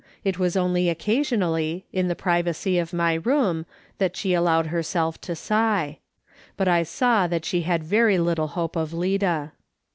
It was only occasionally, in the privacy of my room, that slie allowed herself to sigh ; but I saw that she had very little hope of Lida.